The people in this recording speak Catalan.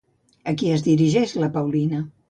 A qui es dirigeix la Paulina?